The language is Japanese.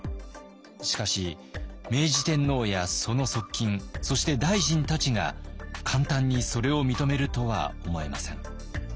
しかし明治天皇やその側近そして大臣たちが簡単にそれを認めるとは思えません。